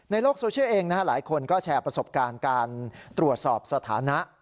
ในโลกโซเชียลเองหลายคนก็แชร์ประสบการณ์การตรวจสอบสถานะ